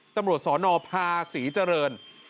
ตำรวจศนพาศรีเจริญ